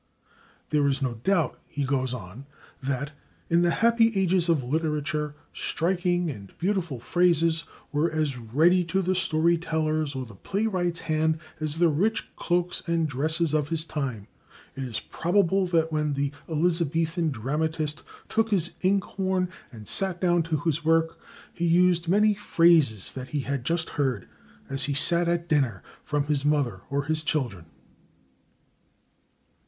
There is no doubt, he goes on, that "in the happy ages of literature striking and beautiful phrases were as ready to the story teller's or the playwright's hand as the rich cloaks and dresses of his time. It is probable that when the Elizabethan dramatist took his ink horn and sat down to his work he used many phrases that he had just heard, as he sat at dinner, from his mother or his children."